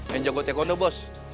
yang jago tekondo bos